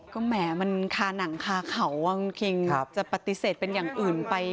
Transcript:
ก็แหมมันคาหนังคาเขาคุณคิงจะปฏิเสธเป็นอย่างอื่นไป